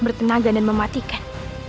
berikut bertenaga dan mematikan